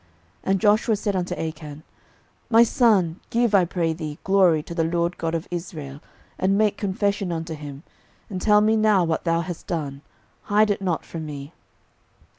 06:007:019 And Joshua said unto Achan, My son, give, I pray thee, glory to the LORD God of Israel, and make confession unto him; and tell me now what thou hast done; hide it not from me.